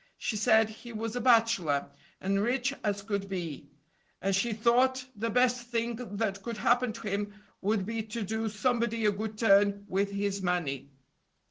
She said he was a bachelor, and rich as could be, and she thought the best thing that could happen to him would be to do somebody a good turn with his money.